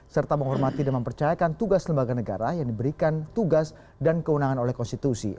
serta menghormati dan mempercayakan tugas lembaga negara yang diberikan tugas dan kewenangan oleh konstitusi